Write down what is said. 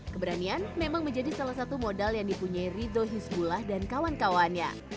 keberanian memang menjadi salah satu modal yang dipunyai rido hizbullah dan kawan kawannya